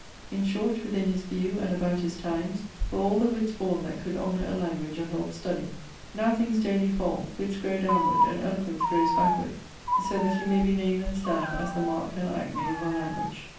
In short, within his view, and about his times, were all the wits borne that could honour a language or helpe study. Now things dayly fall, wits grow downeward and eloquence growes backward, so that he may be nam'd and stand as the marke and ἀκμή of our language.